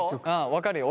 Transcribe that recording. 分かるよ